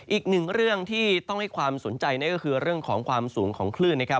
อีกหนึ่งเรื่องที่ต้องให้ความสนใจนั่นก็คือเรื่องของความสูงของคลื่นนะครับ